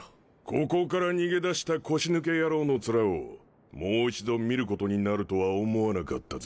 ここから逃げ出した腰抜け野郎の面をもう一度見ることになるとは思わなかったぜ。